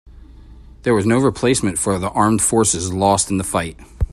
There was no replacement for armed forces lost in the fight.